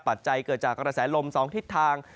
ปัจจัยเกิดจากกระแสลม๒ทิศทาง